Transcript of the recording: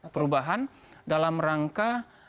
perubahan dalam rangka